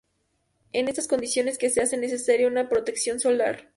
Es en estas condiciones que se hace necesaria una protección solar.